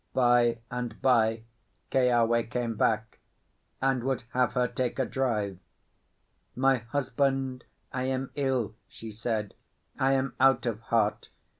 By and by, Keawe came back, and would have her take a drive. "My husband, I am ill," she said. "I am out of heart.